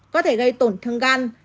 có thể gây tổn thương gan